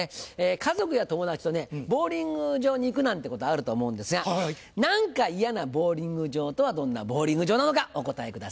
家族や友達とねボウリング場に行くなんてことあると思うんですが何か嫌なボウリング場とはどんなボウリング場なのかお答えください。